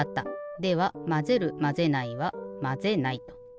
ではまぜるまぜないは「まぜない」と。